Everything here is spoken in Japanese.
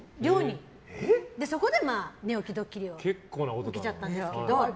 そこで、寝起きドッキリを受けちゃったんですけど。